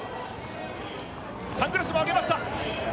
サングラスも上げました